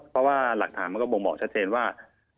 เพราะว่าหลักฐานมันก็บ่งบอกชัดเจนว่า